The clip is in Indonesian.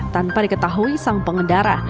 tanpa diketahui sang pengendara